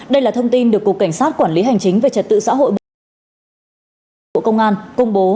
đây là thông tin được cục cảnh sát quản lý hành chính về trật tự xã hội bộ công an công bố